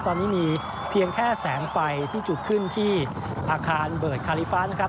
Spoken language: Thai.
ตอนนี้มีเพียงแค่แสงไฟที่จุดขึ้นที่อาคารเบิร์ดคาลิฟ้านะครับ